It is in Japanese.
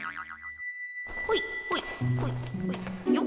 ほいほいほいよっ。